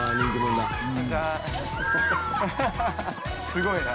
すごいな。